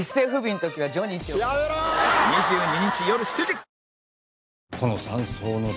２２日よる７時